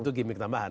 itu gimmick tambahan